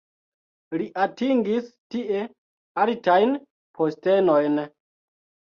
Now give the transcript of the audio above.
Li atingis tie altajn postenojn.